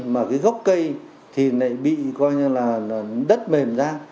mà cái góc cây thì bị đất mềm ra